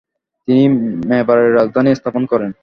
তিনি মেবারের রাজধানী স্থাপন করেন।